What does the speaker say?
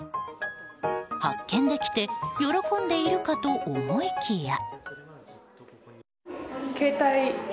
発見できて喜んでいるかと思いきや。